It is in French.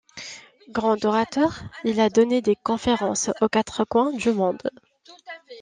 Grand orateur, il a donné des conférences aux quatre coins du monde.